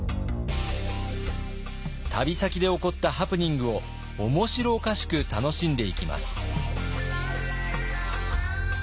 旅先で起こったハプニングを面白おかしく楽しんでいきます。